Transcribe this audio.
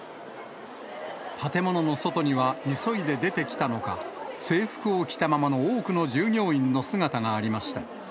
建物の外には、急いで出てきたのか、制服を着たままの多くの従業員の姿がありました。